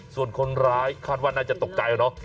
ส่วนคนร้ายคาดว่าน่าจะตกใจเนอะ